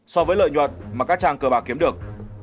so với lợi nhuận mà các trang cờ bạc kiếm được